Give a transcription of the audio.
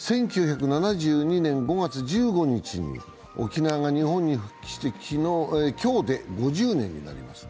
１９７２年５月１５日に沖縄が日本に復帰して今日で５０年になります。